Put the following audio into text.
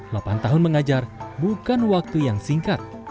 delapan tahun mengajar bukan waktu yang singkat